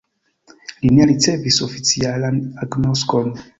Li ne ricevis oficialan agnoskon.